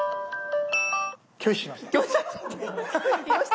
拒否しました。